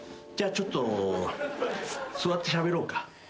じゃあちょっと座ってしゃべろうか。